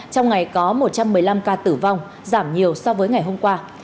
trong ngày có một trăm một mươi năm ca tử vong giảm nhiều so với ngày hôm qua